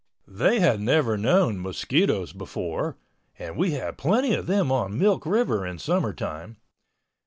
They had never known mosquitoes before (and we had plenty of them on Milk River in summertime).